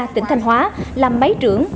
tỉnh thanh hóa làm máy trưởng